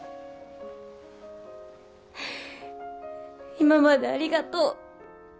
今までありがとう。